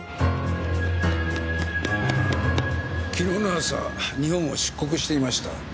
昨日の朝日本を出国していました。